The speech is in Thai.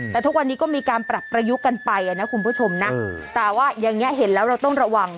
แต่ทุกวันนี้ก็มีการปรับประยุกต์กันไปนะคุณผู้ชมนะแต่ว่าอย่างนี้เห็นแล้วเราต้องระวัง